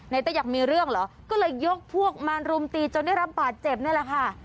เต้อยากมีเรื่องเหรอก็เลยยกพวกมารุมตีจนได้รับบาดเจ็บนี่แหละค่ะ